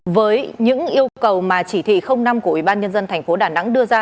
với những yêu cầu mà chỉ thị năm của ủy ban nhân dân thành phố đà nẵng đưa ra